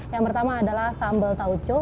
yang pertama adalah sambal tauco